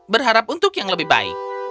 berharap untuk yang lebih baik